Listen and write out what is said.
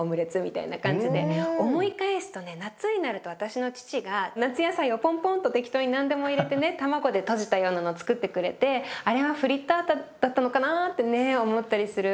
思い返すとね夏になると私の父が夏野菜をポンポンと適当に何でも入れてね卵でとじたようなのつくってくれてあれはフリッタータだったのかなって思ったりする。